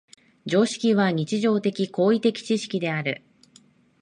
常識は日常的・行為的知識である。